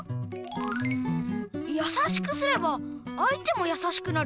うんやさしくすれば相手もやさしくなる。